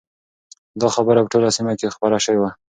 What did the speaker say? دا خبره په ټوله سیمه کې خپره شوې ده.